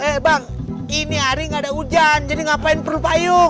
eh bang ini hari nggak ada hujan jadi ngapain perlu payung